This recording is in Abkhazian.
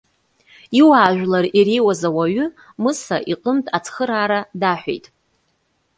Иуаажәлар иреиуаз ауаҩы, Мыса иҟынтә ацхыраара даҳәеит.